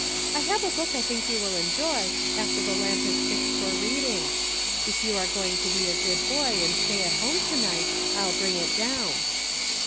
I have a book I think you will enjoy, after the lamp is fixed for reading. If you are going to be a good boy and stay at home to night I'll bring it down."